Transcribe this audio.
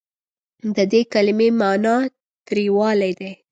د دې کلمې معني تریوالی دی.